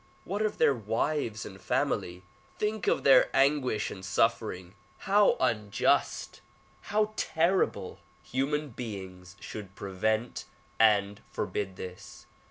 What of their wives and families? Think of their anguish and suffering. How unjust, how terrible! Human beings should prevent and forbid this.